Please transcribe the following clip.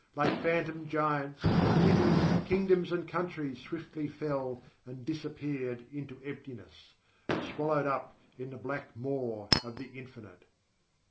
Like phantom giants, cities, kingdoms, and countries swiftly fell and disappeared into emptiness swallowed up in the black maw of the Infinite...